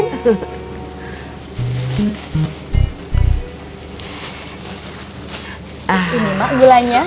ini mak gulanya